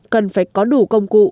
cần phải có đủ công cụ